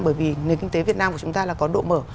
bởi vì nền kinh tế việt nam của chúng ta là có độ mở